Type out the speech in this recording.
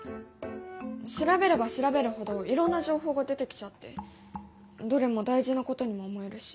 調べれば調べるほどいろんな情報が出てきちゃってどれも大事なことにも思えるし。